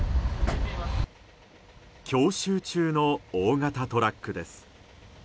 教習中の大型トラックです。